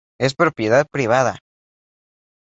Es propiedad privada.